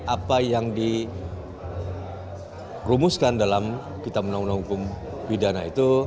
apa yang dirumuskan dalam kita menanggung hukum pidana itu